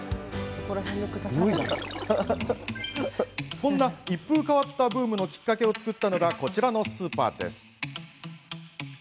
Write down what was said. こんな一風変わったブームのきっかけを作ったのがこちらのスーパーです。